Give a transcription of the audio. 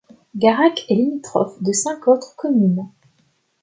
Garac est limitrophe de cinq autres communes.